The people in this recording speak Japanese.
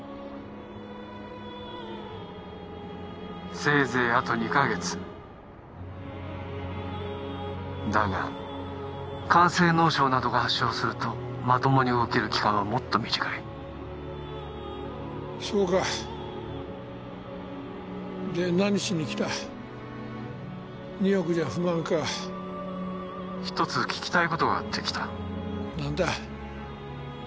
せいぜいあと２カ月だが肝性脳症などが発症するとまともに動ける期間はもっと短いそうかで何しに来た２億じゃ不満か一つ聞きたいことがあって来た何だ？